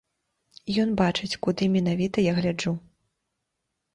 Ён бачыць, куды менавіта я гляджу.